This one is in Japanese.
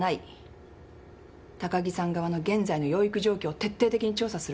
高木さん側の現在の養育状況を徹底的に調査するわ。